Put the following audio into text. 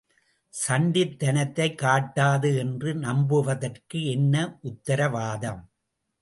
சண்டித் தனத்தைக் காட்டாது என்று நம்புவதற்கு என்ன உத்தரவாதம்?